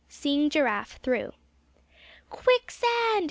SEEING GIRAFFE THROUGH. "QUICKSAND!"